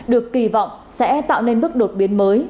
được kỳ vọng sẽ tạo nên bước đột biến mới